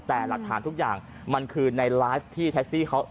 แต่หลักฐานทุกอย่างมันคือในไลฟ์ที่แท็กซี่เขา